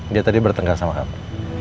dia tadi bertengkar sama kami